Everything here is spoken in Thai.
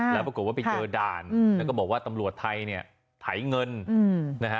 แล้วปรากฏว่าไปเจอด่านแล้วก็บอกว่าตำรวจไทยเนี่ยไถเงินนะฮะ